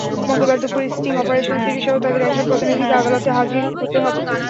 মঙ্গলবার দুপুরে স্টিং অপারেশনে সিডিসহ তাদের একজন প্রতিনিধিকে আদালতে হাজির হতে হবে।